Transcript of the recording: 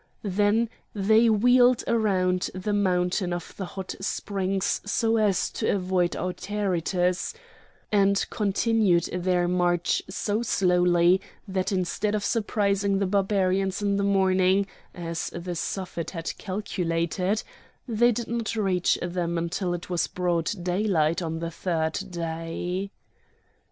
Then they wheeled round the mountain of the Hot Springs so as to avoid Autaritus, and continued their march so slowly that instead of surprising the Barbarians in the morning, as the Suffet had calculated, they did not reach them until it was broad daylight on the third day.